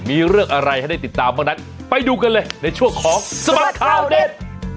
มีเรื่องอะไรให้ได้ติดตามบ้างนั้นไปดูกันเลยในช่วงของสบัดข่าวเด็ด